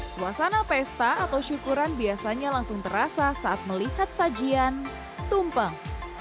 suasana pesta atau syukuran biasanya langsung terasa saat melihat sajian tumpeng